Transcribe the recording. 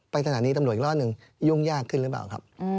สถานีตำรวจอีกรอบหนึ่งยุ่งยากขึ้นหรือเปล่าครับ